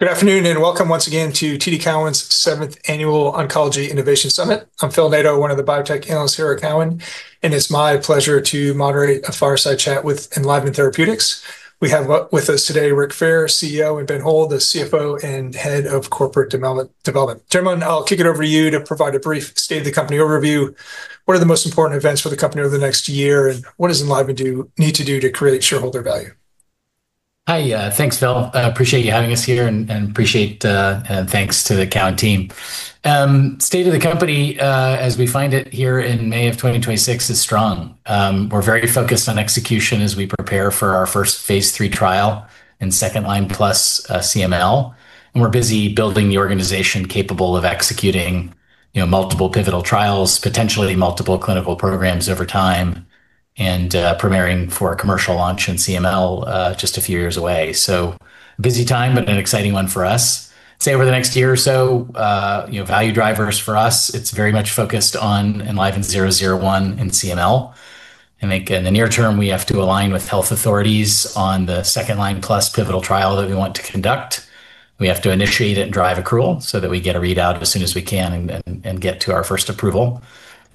Good afternoon, and welcome once again to TD Cowen's Seventh Annual Oncology Innovation Summit. I'm Phil Nadeau, one of the biotech analysts here at Cowen, and it's my pleasure to moderate a fireside chat with Enliven Therapeutics. We have with us today Rick Fair, CEO, and Ben Hohl, the CFO and Head of Corporate Development. Gentlemen, I'll kick it over to you to provide a brief state of the company overview. What are the most important events for the company over the next year, and what does Enliven need to do to create shareholder value? Hi. Thanks, Phil. I appreciate you having us here and thanks to the Cowen team. State of the company, as we find it here in May of 2026, is strong. We're very focused on execution as we prepare for our first phase III trial in second-line plus CML. We're busy building the organization capable of executing multiple pivotal trials, potentially multiple clinical programs over time and preparing for a commercial launch in CML just a few years away. Busy time, an exciting one for us. Say over the next year or so, value drivers for us, it's very much focused on ELVN-001 and CML. I think in the near term, we have to align with health authorities on the second-line plus pivotal trial that we want to conduct. We have to initiate it and drive accrual so that we get a readout as soon as we can and get to our first approval.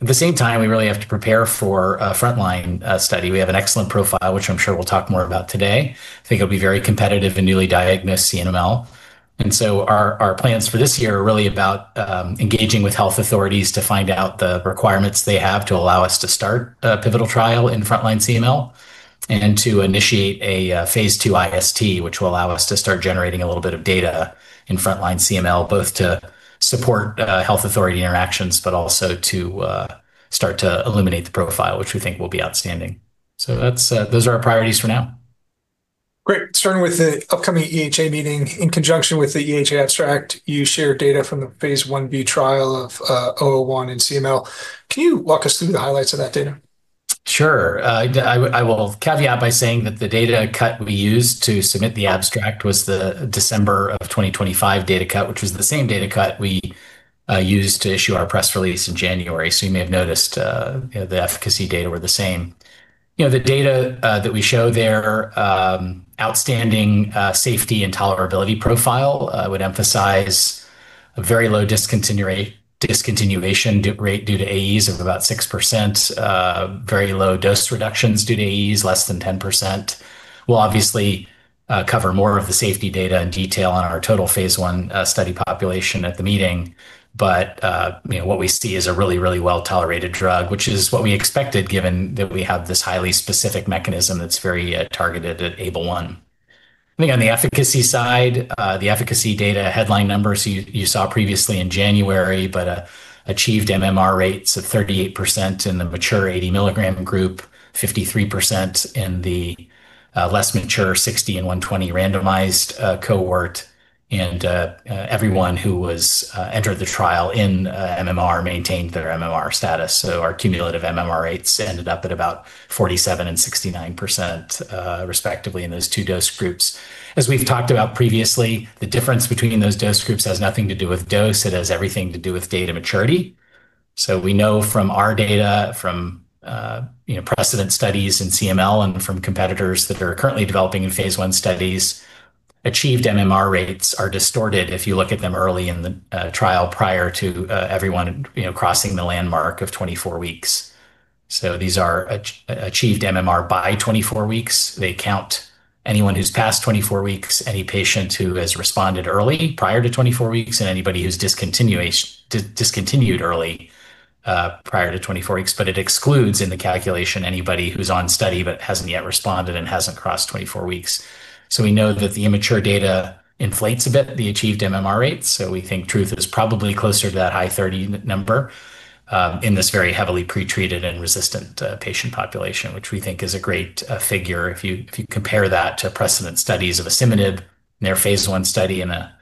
At the same time, we really have to prepare for a frontline study. We have an excellent profile, which I'm sure we'll talk more about today. I think it'll be very competitive in newly diagnosed CML. Our plans for this year are really about engaging with health authorities to find out the requirements they have to allow us to start a pivotal trial in frontline CML and to initiate a phase II IST, which will allow us to start generating a little bit of data in frontline CML, both to support health authority interactions, but also to start to illuminate the profile, which we think will be outstanding. Those are our priorities for now. Great. Starting with the upcoming EHA meeting. In conjunction with the EHA abstract, you shared data from the phase I-B trial of 001 and CML. Can you walk us through the highlights of that data? Sure. I will caveat by saying that the data cut we used to submit the abstract was the December of 2025 data cut, which was the same data cut we used to issue our press release in January. You may have noticed the efficacy data were the same. The data that we show there, outstanding safety and tolerability profile, would emphasize a very low discontinuation rate due to AEs of about 6%. Very low dose reductions due to AEs, less than 10%. We'll obviously cover more of the safety data in detail on our total phase I study population at the meeting. What we see is a really well-tolerated drug, which is what we expected, given that we have this highly specific mechanism that's very targeted at ABL1. I think on the efficacy side, the efficacy data headline numbers you saw previously in January, achieved MMR rates of 38% in the mature 80 mg group, 53% in the less mature 60 and 120 randomized cohort. Everyone who entered the trial in MMR maintained their MMR status. Our cumulative MMR rates ended up at about 47% and 69%, respectively, in those two dose groups. As we've talked about previously, the difference between those dose groups has nothing to do with dose. It has everything to do with data maturity. We know from our data, from precedent studies in CML and from competitors that are currently developing in phase I studies, achieved MMR rates are distorted if you look at them early in the trial prior to everyone crossing the landmark of 24 weeks. These are achieved MMR by 24 weeks. They count anyone who's past 24 weeks, any patient who has responded early prior to 24 weeks, and anybody who's discontinued early prior to 24 weeks, but it excludes in the calculation anybody who's on study but hasn't yet responded and hasn't crossed 24 weeks. We know that the immature data inflates a bit the achieved MMR rates. We think truth is probably closer to that high 30 number, in this very heavily pretreated and resistant patient population, which we think is a great figure. If you compare that to precedent studies of asciminib in their phase I study in a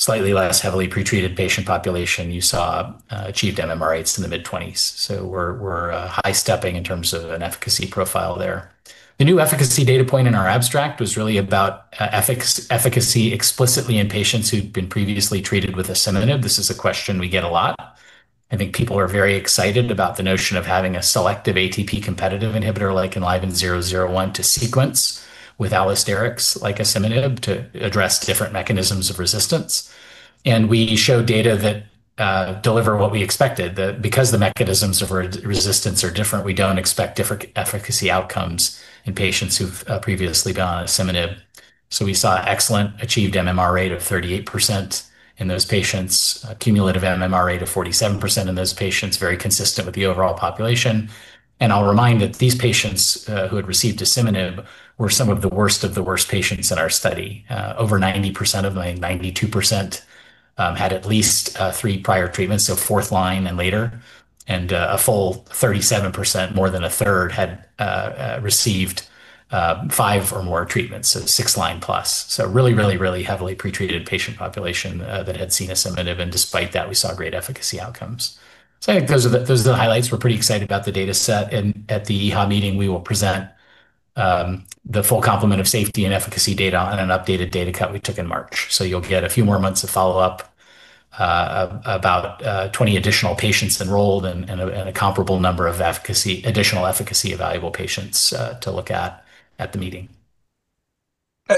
slightly less heavily pretreated patient population, you saw achieved MMR rates in the mid-20s. We're high-stepping in terms of an efficacy profile there. The new efficacy data point in our abstract was really about efficacy explicitly in patients who'd been previously treated with asciminib. This is a question we get a lot. I think people are very excited about the notion of having a selective ATP-competitive inhibitor like ELVN-001 to sequence with allosterics like asciminib to address different mechanisms of resistance. We show data that deliver what we expected, that because the mechanisms of resistance are different, we don't expect different efficacy outcomes in patients who've previously been on asciminib. We saw excellent achieved MMR rate of 38% in those patients, cumulative MMR rate of 47% in those patients, very consistent with the overall population. I'll remind that these patients who had received asciminib were some of the worst of the worst patients in our study. Over 90% of them, 92%, had at least three prior treatments, so fourth line and later, and a full 37%, more than a third, had received five or more treatments, so six line plus. Really heavily pretreated patient population that had seen asciminib, and despite that, we saw great efficacy outcomes. I think those are the highlights. We're pretty excited about the data set, and at the EHA meeting, we will present the full complement of safety and efficacy data on an updated data cut we took in March. You'll get a few more months of follow-up, about 20 additional patients enrolled and a comparable number of additional efficacy evaluable patients to look at at the meeting.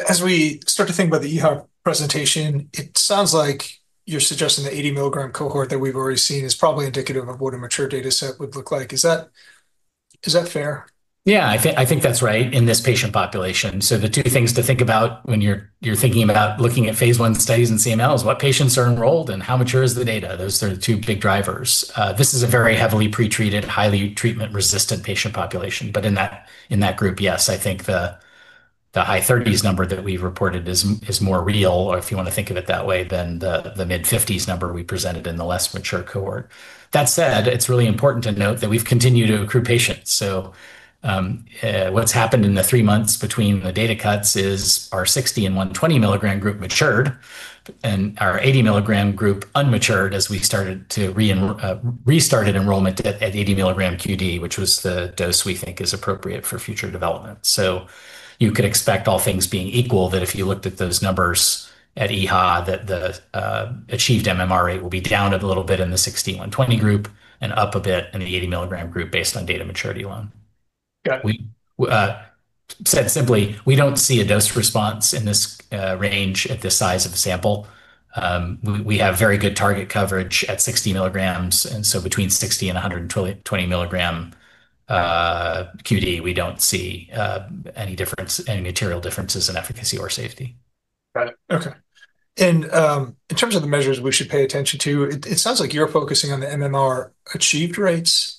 As we start to think about the EHA presentation, it sounds like you're suggesting the 80 mg cohort that we've already seen is probably indicative of what a mature data set would look like. Is that fair? Yeah, I think that's right in this patient population. The two things to think about when you're thinking about looking at phase I studies in CML is what patients are enrolled and how mature is the data. Those are the two big drivers. This is a very heavily pre-treated, highly treatment-resistant patient population. In that group, yes, I think the high 30s number that we've reported is more real, or if you want to think of it that way, than the mid-50s number we presented in the less mature cohort. That said, it's really important to note that we've continued to accrue patients. What's happened in the three months between the data cuts is our 60 mg and 120 mg group matured and our 80 mg group unmatured as we restarted enrollment at 80 mg QD, which was the dose we think is appropriate for future development. You could expect all things being equal, that if you looked at those numbers at EHA, that the achieved MMR rate will be down a little bit in the 60 and 120 group and up a bit in the 80 mg group based on data maturity alone. Got it. Said simply, we don't see a dose response in this range at this size of a sample. We have very good target coverage at 60 mg. Between 60 mg and 120 mg QD, we don't see any material differences in efficacy or safety. Got it. Okay. In terms of the measures we should pay attention to, it sounds like you're focusing on the MMR-achieved rates.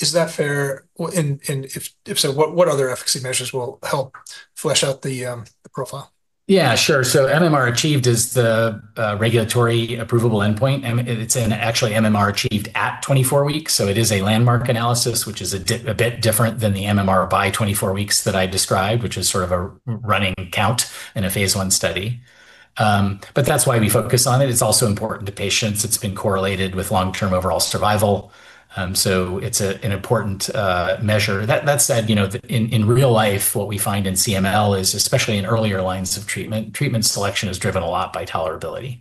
Is that fair? If so, what other efficacy measures will help flesh out the profile? Yeah, sure. MMR achieved is the regulatory approvable endpoint, and it's in actually MMR achieved at 24 weeks. It is a landmark analysis, which is a bit different than the MMR by 24 weeks that I described, which is sort of a running count in a phase I study. That's why we focus on it. It's also important to patients. It's been correlated with long-term overall survival. It's an important measure. That said, in real life, what we find in CML is, especially in earlier lines of treatment selection is driven a lot by tolerability.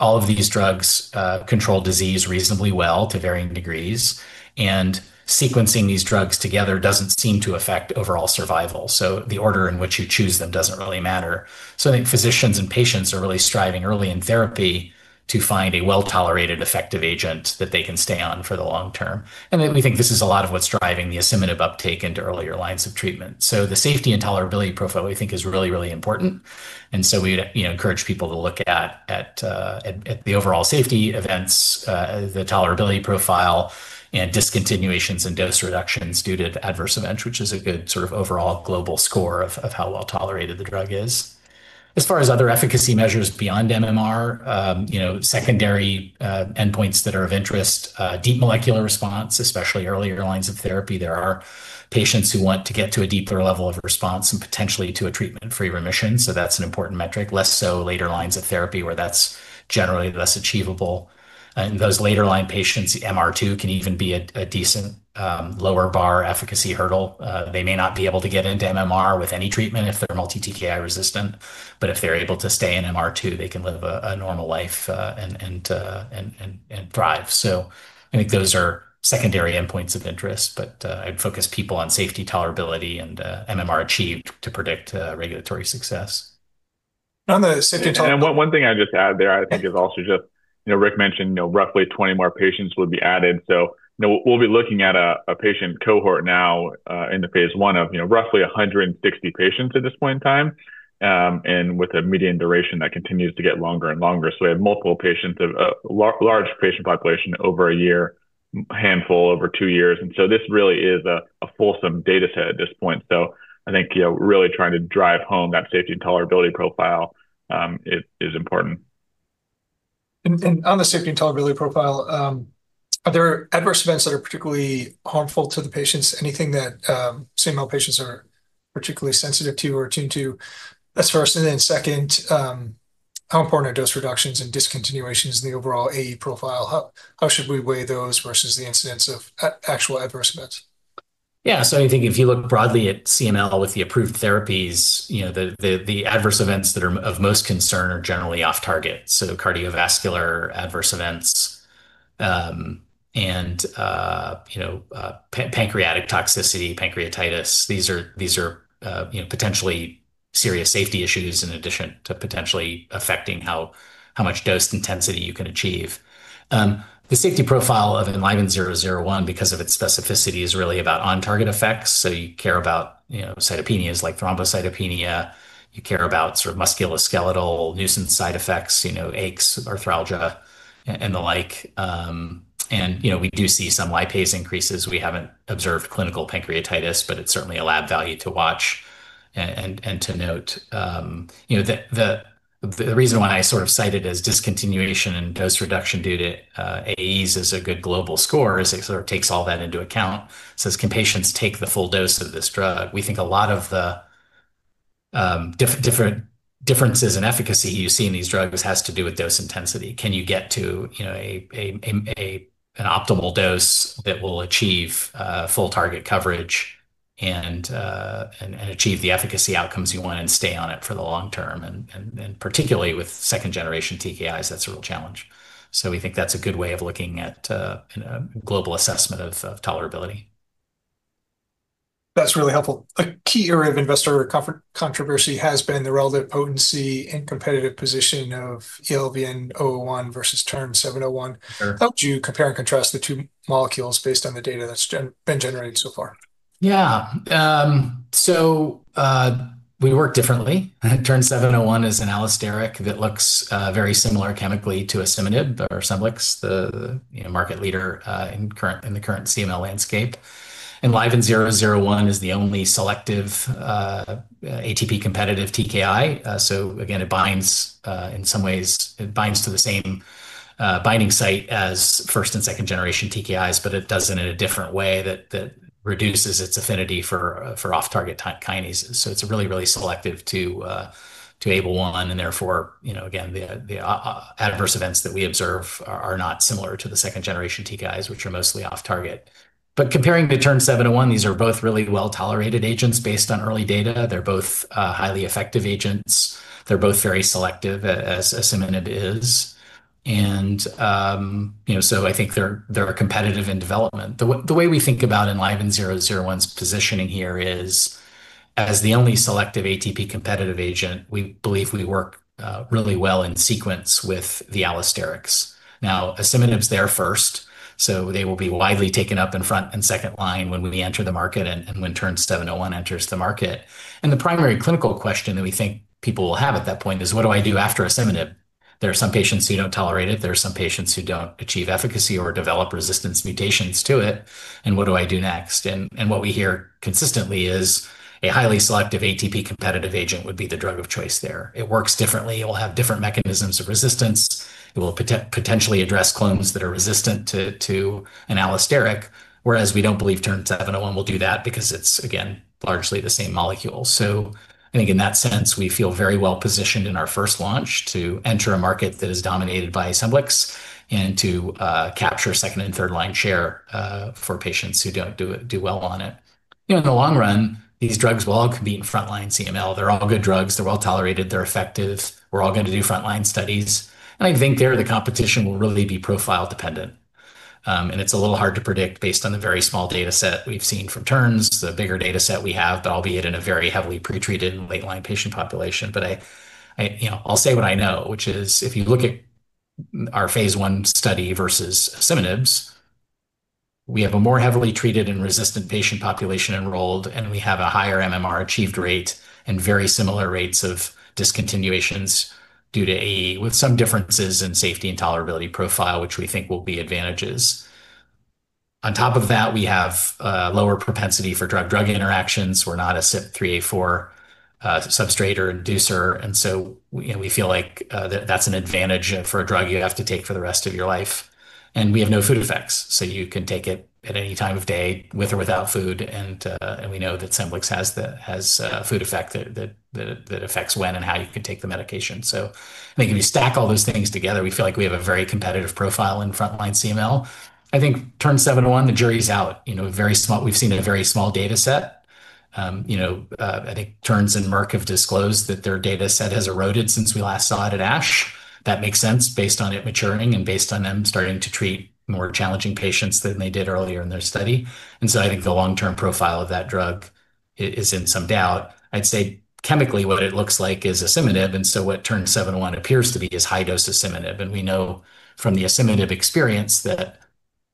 All of these drugs control disease reasonably well to varying degrees, and sequencing these drugs together doesn't seem to affect overall survival. The order in which you choose them doesn't really matter. I think physicians and patients are really striving early in therapy to find a well-tolerated, effective agent that they can stay on for the long term. We think this is a lot of what's driving the asciminib uptake into earlier lines of treatment. The safety and tolerability profile we think is really, really important, and so we encourage people to look at the overall safety events, the tolerability profile, and discontinuations and dose reductions due to adverse events, which is a good sort of overall global score of how well-tolerated the drug is. As far as other efficacy measures beyond MMR, secondary endpoints that are of interest, deep molecular response, especially earlier lines of therapy. There are patients who want to get to a deeper level of response and potentially to a treatment-free remission, so that's an important metric, less so later lines of therapy, where that's generally less achievable. In those later-line patients, MR2 can even be a decent lower bar efficacy hurdle. They may not be able to get into MMR with any treatment if they're multi-TKI resistant, but if they're able to stay in MR2, they can live a normal life and thrive. I think those are secondary endpoints of interest, but I'd focus people on safety tolerability and MMR achieved to predict regulatory success. On the safety toler- One thing I'd just add there, I think is also just, Rick mentioned roughly 20 more patients would be added. We'll be looking at a patient cohort now, in the phase I of roughly 160 patients at this point in time, and with a median duration that continues to get longer and longer. We have multiple patients, a large patient population over a year, handful over two years. This really is a fulsome data set at this point. I think really trying to drive home that safety and tolerability profile is important. On the safety and tolerability profile, are there adverse events that are particularly harmful to the patients? Anything that CML patients are particularly sensitive to or attuned to less first and then second? How important are dose reductions and discontinuations in the overall AE profile? How should we weigh those versus the incidence of actual adverse events? Yeah. I think if you look broadly at CML with the approved therapies, the adverse events that are of most concern are generally off target. Cardiovascular adverse events, and pancreatic toxicity, pancreatitis. These are potentially serious safety issues in addition to potentially affecting how much dose intensity you can achieve. The safety profile of the -001, because of its specificity, is really about on-target effects. You care about cytopenias like thrombocytopenia. You care about sort of musculoskeletal nuisance side effects, aches, arthralgia, and the like. We do see some lipase increases. We haven't observed clinical pancreatitis, but it's certainly a lab value to watch and to note. The reason why I sort of cite it as discontinuation and dose reduction due to AEs as a good global score is it sort of takes all that into account. Says, "Can patients take the full dose of this drug?" We think a lot of the differences in efficacy you see in these drugs has to do with dose intensity. Can you get to an optimal dose that will achieve full target coverage and achieve the efficacy outcomes you want and stay on it for the long term? Particularly with second-generation TKIs, that's a real challenge. We think that's a good way of looking at a global assessment of tolerability. That's really helpful. A key area of investor controversy has been the relative potency and competitive position of ELVN-001 versus TERN-701. Sure. How would you compare and contrast the two molecules based on the data that's been generated so far? Yeah. We work differently. TERN-701 is an allosteric that looks very similar chemically to asciminib or SCEMBLIX, the market leader in the current CML landscape. ELVN-001 is the only selective TKI. Again, in some ways, it binds to the same binding site as first and second-generation TKIs, but it does it in a different way that reduces its affinity for off-target kinases. It's really, really selective to ABL1 and therefore, again, the adverse events that we observe are not similar to the second-generation TKIs, which are mostly off-target. Comparing to TERN-701, these are both really well-tolerated agents based on early data. They're both highly effective agents. They're both very selective as asciminib is. I think they're competitive in development. The way we think about ELVN-001's positioning here is as the only selective ATP-competitive agent, we believe we work really well in sequence with the allosterics. Now, asciminib's there first, so they will be widely taken up in front and second-line when we enter the market and when TERN-701 enters the market. The primary clinical question that we think people will have at that point is, what do I do after asciminib? There are some patients who don't tolerate it. There are some patients who don't achieve efficacy or develop resistance mutations to it. What do I do next? What we hear consistently is a highly selective ATP-competitive agent would be the drug of choice there. It works differently. It will have different mechanisms of resistance. It will potentially address clones that are resistant to an allosteric, whereas we don't believe TERN-701 will do that because it's, again, largely the same molecule. I think in that sense, we feel very well-positioned in our first launch to enter a market that is dominated by SCEMBLIX and to capture second and third-line share for patients who don't do well on it. In the long run, these drugs will all compete in front line CML. They're all good drugs. They're well-tolerated. They're effective. We're all going to do front-line studies. I think there, the competition will really be profile dependent. It's a little hard to predict based on the very small data set we've seen from Terns, the bigger data set we have, but albeit in a very heavily pretreated and late-line patient population. I'll say what I know, which is if you look at our phase I study versus asciminib, we have a more heavily treated and resistant patient population enrolled, we have a higher MMR achieved rate and very similar rates of discontinuations due to AE, with some differences in safety and tolerability profile, which we think will be advantages. On top of that, we have a lower propensity for drug-drug interactions. We're not a CYP3A4 substrate or inducer, we feel like that's an advantage for a drug you'd have to take for the rest of your life. We have no food effects, you can take it at any time of day with or without food. We know that SCEMBLIX has a food effect that affects when and how you can take the medication. I think if you stack all those things together, we feel like we have a very competitive profile in frontline CML. I think TERN-701, the jury's out. We've seen a very small data set. I think Terns and Merck have disclosed that their data set has eroded since we last saw it at ASH. That makes sense based on it maturing and based on them starting to treat more challenging patients than they did earlier in their study. I think the long-term profile of that drug is in some doubt. I'd say chemically what it looks like is asciminib, and so what TERN-701 appears to be is high-dose asciminib. We know from the asciminib experience that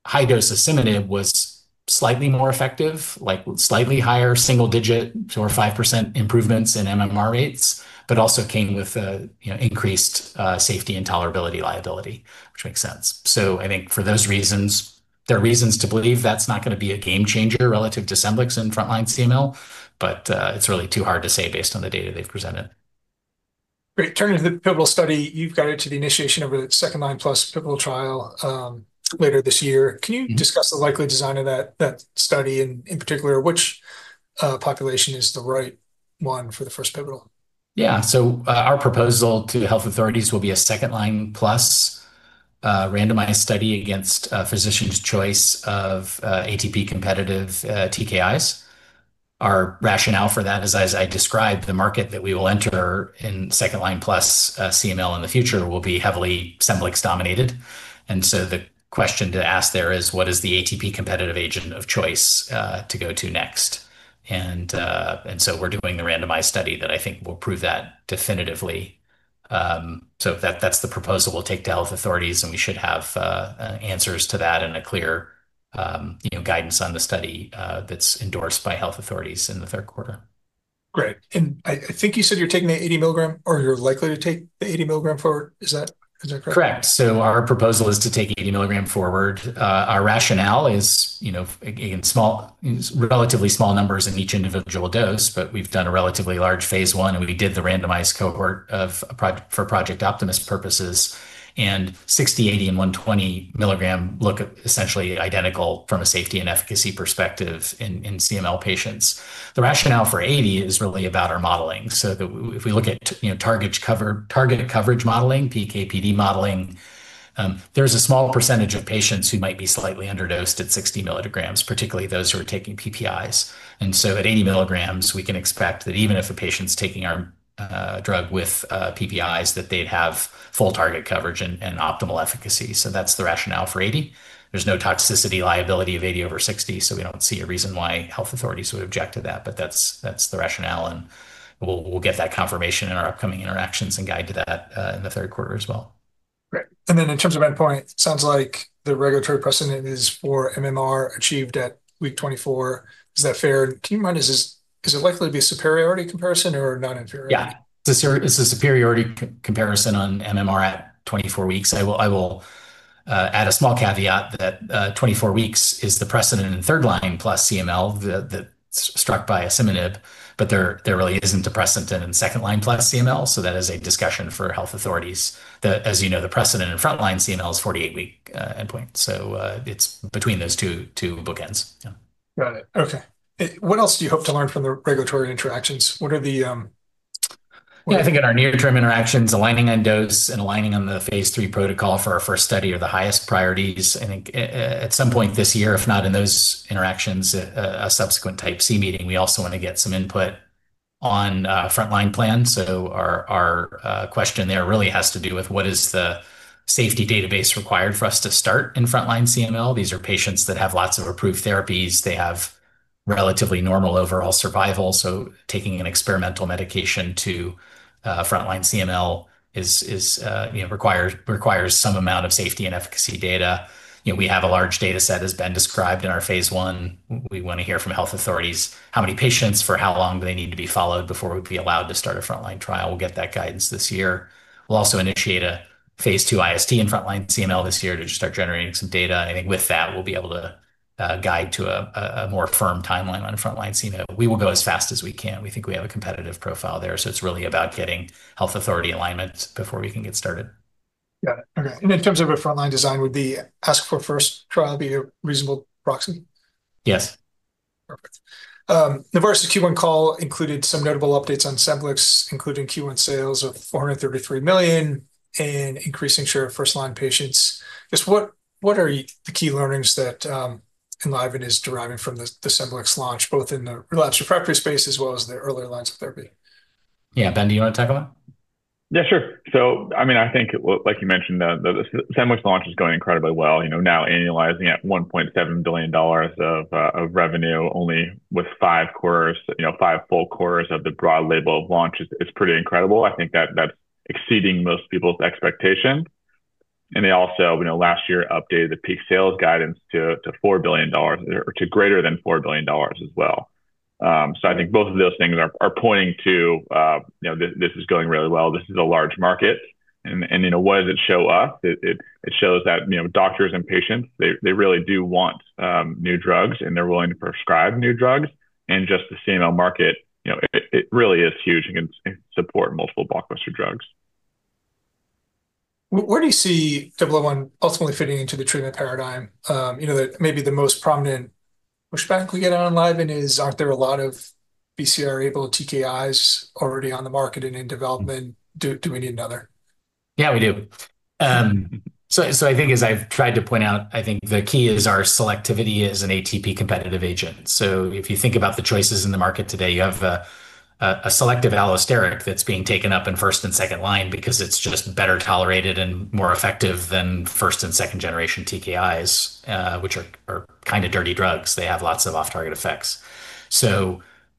high-dose asciminib was slightly more effective, slightly higher single-digit, 4% or 5% improvements in MMR rates, but also came with increased safety and tolerability liability, which makes sense. I think for those reasons, there are reasons to believe that's not going to be a game changer relative to SCEMBLIX in frontline CML, but it's really too hard to say based on the data they've presented. Great. Turning to the pivotal study, you've guided to the initiation of a second-line-plus pivotal trial later this year. Can you discuss the likely design of that study, and in particular, which population is the right one for the first pivotal? Our proposal to health authorities will be a second-line-plus randomized study against a physician's choice of TKIs. Our rationale for that is, as I described, the market that we will enter in second-line-plus CML in the future will be heavily SCEMBLIX dominated. The question to ask there is what is the ATP-competitive agent of choice to go to next? We're doing the randomized study that I think will prove that definitively. That's the proposal we'll take to health authorities, and we should have answers to that and a clear guidance on the study that's endorsed by health authorities in the third quarter. Great. I think you said you're taking the 80 mg, or you're likely to take the 80 mg forward. Is that correct? Correct. Our proposal is to take 80 mg forward. Our rationale is in relatively small numbers in each individual dose, but we've done a relatively large phase I, and we did the randomized cohort for Project Optimus purposes, and 60, 80, and 120 mg look essentially identical from a safety and efficacy perspective in CML patients. The rationale for 80 is really about our modeling. If we look at target coverage modeling, PK/PD modeling. There's a small percentage of patients who might be slightly underdosed at 60 mg, particularly those who are taking PPIs. At 80 mg, we can expect that even if a patient's taking our drug with PPIs, that they'd have full target coverage and optimal efficacy. That's the rationale for 80. There's no toxicity liability of 80 over 60, so we don't see a reason why health authorities would object to that. That's the rationale, and we'll get that confirmation in our upcoming interactions and guide to that in the third quarter as well. Great. In terms of endpoint, sounds like the regulatory precedent is for MMR achieved at week 24. Is that fair? Can you remind us, is it likely to be a superiority comparison or a non-inferiority? Yeah. It's a superiority comparison on MMR at 24 weeks. I will add a small caveat that 24 weeks is the precedent in third-line -plus CML that's struck by asciminib. There really isn't a precedent in second-line-plus CML. That is a discussion for health authorities. As you know, the precedent in frontline CML is 48-week endpoint. It's between those two bookends. Yeah. Got it. Okay. What else do you hope to learn from the regulatory interactions? I think in our near-term interactions, aligning on dose and aligning on the phase III protocol for our first study are the highest priorities. I think at some point this year, if not in those interactions, a subsequent Type C meeting, we also want to get some input on frontline plan. Our question there really has to do with what is the safety database required for us to start in frontline CML. These are patients that have lots of approved therapies. They have relatively normal overall survival. Taking an experimental medication to frontline CML requires some amount of safety and efficacy data. We have a large data set that's been described in our phase I. We want to hear from health authorities how many patients, for how long do they need to be followed before we'd be allowed to start a frontline trial. We'll get that guidance this year. We'll also initiate a phase II IST in frontline CML this year to start generating some data. I think with that, we'll be able to guide to a more firm timeline on frontline CML. We will go as fast as we can. We think we have a competitive profile there, so it's really about getting health authority alignment before we can get started. Got it. Okay. In terms of a frontline design, would the ASC4FIRST trial be a reasonable proxy? Yes. Perfect. Novartis' Q1 call included some notable updates on SCEMBLIX, including Q1 sales of $433 million and increasing share of first-line patients. Just what are the key learnings that Enliven is deriving from the SCEMBLIX launch, both in the relapsed/refractory space as well as the earlier lines of therapy? Yeah. Ben, do you want to take that one? Yeah, sure. I think, like you mentioned, the SCEMBLIX launch is going incredibly well. Now annualizing at $1.7 billion of revenue only with five full quarters of the broad label of launch is pretty incredible. I think that's exceeding most people's expectation. They also, last year, updated the peak sales guidance to greater than $4 billion as well. I think both of those things are pointing to this is going really well. This is a large market. What does it show us? It shows that doctors and patients, they really do want new drugs, and they're willing to prescribe new drugs. Just the CML market, it really is huge and can support multiple blockbuster drugs. Where do you see TKI ultimately fitting into the treatment paradigm? Maybe the most prominent pushback we get on Enliven is aren't there a lot of BCR-ABL TKIs already on the market and in development? Do we need another? Yeah, we do. I think as I've tried to point out, I think the key is our selectivity as an agent. If you think about the choices in the market today, you have a selective allosteric that's being taken up in first and second line because it's just better tolerated and more effective than first and second generation TKIs, which are kind of dirty drugs. They have lots of off-target effects.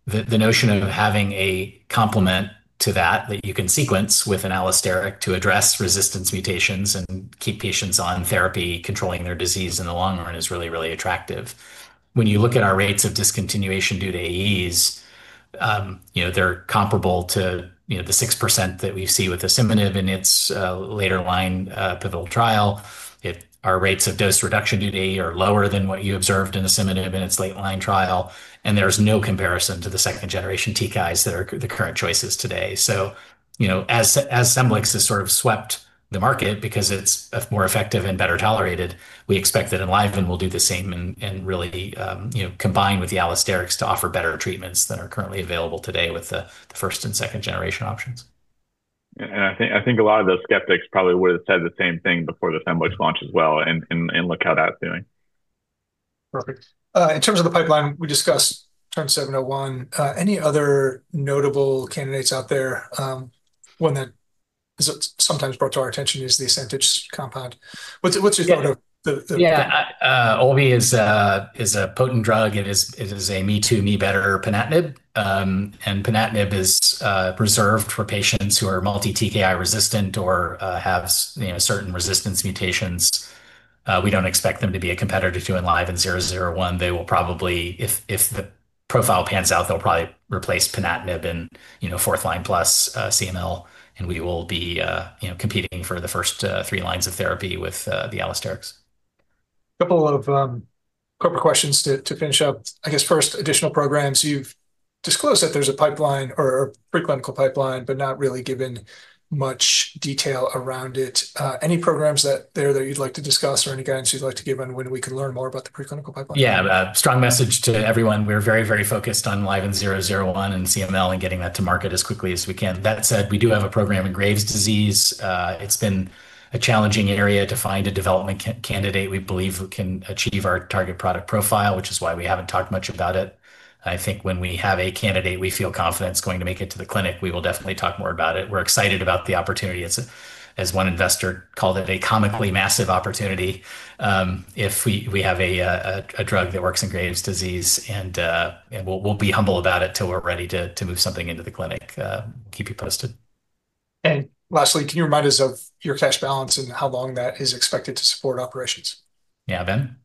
The notion of having a complement to that you can sequence with an allosteric to address resistance mutations and keep patients on therapy controlling their disease in the long run is really, really attractive. When you look at our rates of discontinuation due to AEs, they're comparable to the 6% that we see with asciminib in its later line pivotal trial. Our rates of dose reduction due to AE are lower than what you observed in asciminib in its late line trial, and there's no comparison to the second-generation TKIs that are the current choices today. As SCEMBLIX has sort of swept the market because it's more effective and better tolerated, we expect that Enliven will do the same and really combine with the allosterics to offer better treatments than are currently available today with the first and second generation options. I think a lot of those skeptics probably would've said the same thing before the SCEMBLIX launch as well, and look how that's doing. Perfect. In terms of the pipeline, we discussed TERN-701. Any other notable candidates out there? One that is sometimes brought to our attention is the Ascentage compound. What's your thought of the- Yeah. Olve is a potent drug. It is a me-too, me-better ponatinib. ponatinib is reserved for patients who are multi-TKI resistant or have certain resistance mutations. We don't expect them to be a competitor to ELVN-001. If the profile pans out, they'll probably replace ponatinib in fourth line plus CML. We will be competing for the first three lines of therapy with the allosterics. Couple of corporate questions to finish up. I guess first, additional programs, you've disclosed that there's a pipeline or a pre-clinical pipeline, but not really given much detail around it. Any programs there that you'd like to discuss or any guidance you'd like to give on when we could learn more about the pre-clinical pipeline? Yeah. Strong message to everyone. We're very, very focused on ELVN-001 and CML and getting that to market as quickly as we can. We do have a program in Graves' disease. It's been a challenging area to find a development candidate we believe who can achieve our target product profile, which is why we haven't talked much about it. I think when we have a candidate we feel confident is going to make it to the clinic, we will definitely talk more about it. We're excited about the opportunity. As one investor called it, a comically massive opportunity if we have a drug that works in Graves' disease, and we'll be humble about it till we're ready to move something into the clinic. Keep you posted. Lastly, can you remind us of your cash balance and how long that is expected to support operations? Yeah. Ben?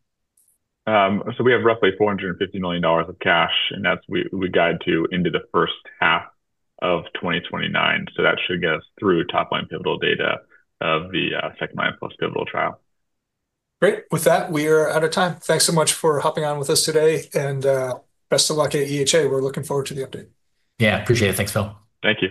We have roughly $450 million of cash, that's we guide to into the first half of 2029. That should get us through top line pivotal data of the second-line-plus pivotal trial. Great. With that, we are out of time. Thanks so much for hopping on with us today, and best of luck at EHA. We're looking forward to the update. Yeah, appreciate it. Thanks, Phil. Thank you.